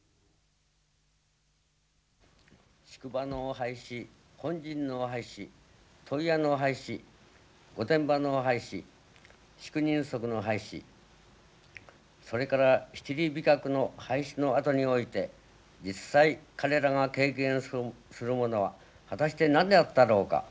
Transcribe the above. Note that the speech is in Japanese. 「宿場の廃止、本陣の廃止、問屋の廃止、御伝馬の廃止、宿人足の廃止、それから七里飛脚の廃止のあとにおいて、実際彼らが経験するものははたして何であったろうか。